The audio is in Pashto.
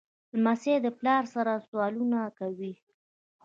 لمسی د پلار سره سوالونه کوي.